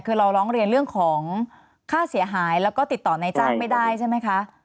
คือเราร้องเรียนเรื่องของค่าเสียหายแล้วก็ติดต่อนายจ้างไม่ได้ใช่ไหมคะ